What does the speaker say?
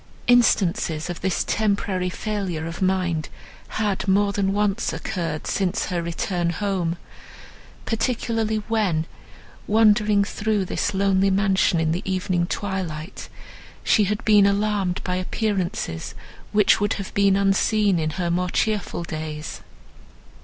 Instances of this temporary failure of mind had more than once occurred since her return home; particularly when, wandering through this lonely mansion in the evening twilight, she had been alarmed by appearances, which would have been unseen in her more cheerful days.